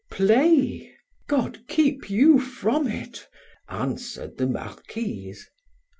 "Play! God keep you from it," answered the Marquise.